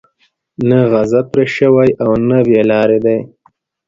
نه غضب پرې شوى او نه بې لاري دي.